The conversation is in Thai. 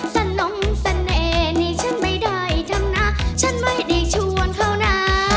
แต่น้องแต่เอนฉันไม่ได้ทำนะฉันไม่ได้ชวนเขานะ